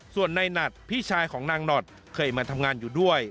ส่วนในหนัดพี่ชายของนางหนอดเคยมาทำงานอยู่ด้วย